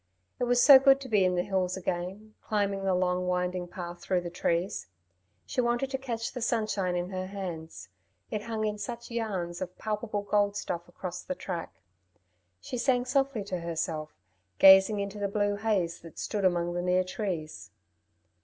It was so good to be in the hills again, climbing the long, winding path through the trees. She wanted to catch the sunshine in her hands; it hung in such yarns of palpable gold stuff across the track. She sang softly to herself, gazing into the blue haze that stood among the near trees.